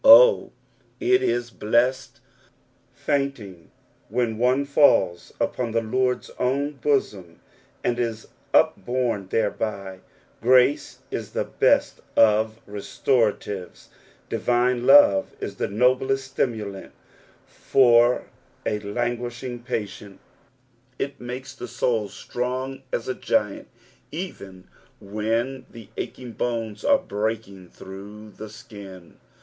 Oh, it ie blessed fainting when one falls upon the Lord's own bosom, and is upbonie thereby I Grace is the best of restoratives ; divine love is the noblest stimulaot for a languishing patient ; it makes the soul strong as a giant, even when tho achintf bones are breaking through the skin.